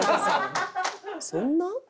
そんな？